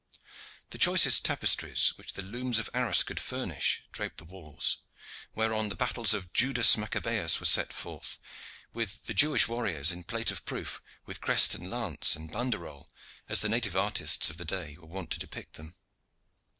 The choicest tapestries which the looms of Arras could furnish draped the walls, whereon the battles of Judas Maccabaeus were set forth, with the Jewish warriors in plate of proof, with crest and lance and banderole, as the naive artists of the day were wont to depict them.